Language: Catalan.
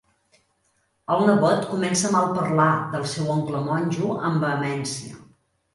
El nebot comença a malparlar del seu oncle monjo amb vehemència.